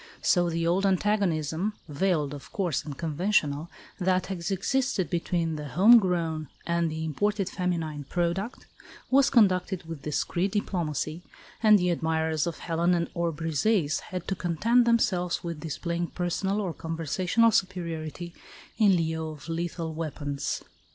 So the old antagonism (veiled, of course, and conventional) that has existed between the home grown and the imported feminine product, was conducted with discreet diplomacy, and the admirers of Helen or Briseis had to content themselves with displaying personal or conversational superiority in lieu of lethal weapons.